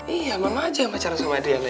iya mama aja yang pacaran sama adriana ya